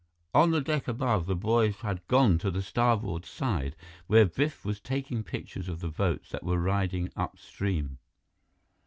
On the deck above, the boys had gone to the starboard side, where Biff was taking pictures of the boats that were riding upstream.